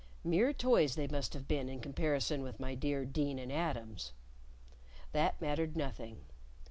Mere toys they must have been in comparison with my dear Deane and Adams; that mattered nothing.